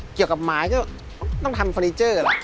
เกี่ยวกับหมายก็ต้องทำเฟอร์นิเจอร์ล่ะ